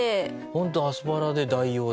ホントアスパラで代用だ。